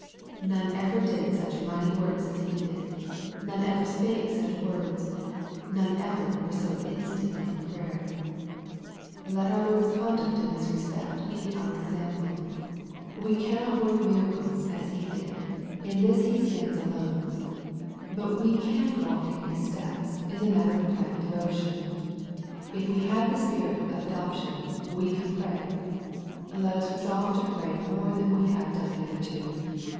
None ever did such mighty works as He did. None ever spake such words None ever was so instant in prayer. Let our Lord's conduct in this respect be our example MARK, CHAP. VI. 129 We cannot work miracles as He did ; in this He standa alone. But we can walk in His steps, in the matter of private devotion. If we have the Spirit of adoption, we can pray. Let us resolve to pray more than we have done hitherto.